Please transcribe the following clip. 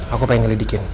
aku pengen ngelidikin